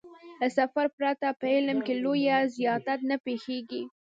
له سفر پرته په علم کې لويه زيادت نه پېښېږي.